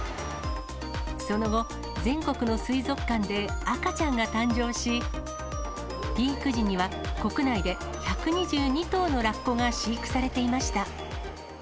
その後、全国の水族館で赤ちゃんが誕生し、ピーク時には、国内で１２２頭のラッコが飼育されていました。